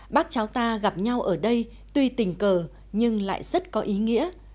bác cháu ta gặp nhau ở đây tuy tình cờ nhưng lại rất có ý nghĩa